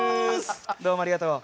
どうもありがとう。